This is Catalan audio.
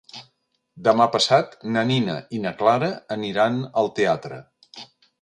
Demà passat na Nina i na Clara aniran al teatre.